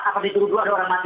apabila itu dulu ada orang mati